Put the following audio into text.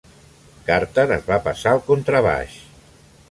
Carter es va passar al contrabaix.